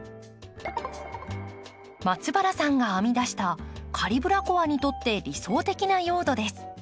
松原さんが編み出したカリブラコアにとって理想的な用土です。